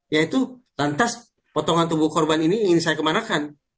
yaitu lantas potongan tubuh korban ini ingin saya kemanakan